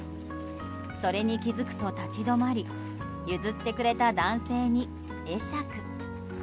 それに気づくと立ち止まり譲ってくれた男性に会釈。